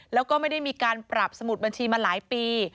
แล้วก็ไม่ได้มีการปรับสมุดบัญชีมาหลายปี